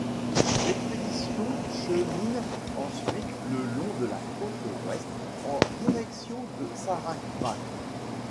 L’expédition chemine ensuite le long de la côte ouest en direction de Sarawak.